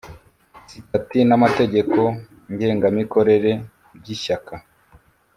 sitati n amategeko ngengamikorere by Ishyaka